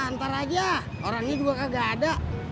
ntar aja orangnya juga kagak ada